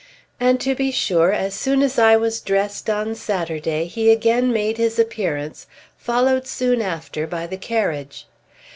And, to be sure, as soon as I was dressed on Saturday, he again made his appearance, followed soon after by the carriage.